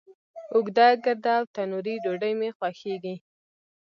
اوږده، ګرده، او تنوری ډوډۍ می خوښیږی